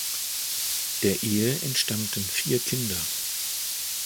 Der Ehe entstammten vier Kinder.